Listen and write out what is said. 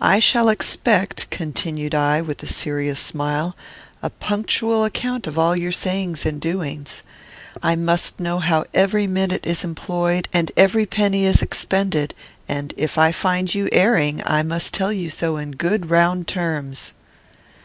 I shall expect," continued I, with a serious smile, "a punctual account of all your sayings and doings. I must know how every minute is employed and every penny is expended, and, if I find you erring, I must tell you so in good round terms."